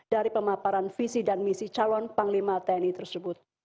dari pemaparan visi dan misi calon panglima tni tersebut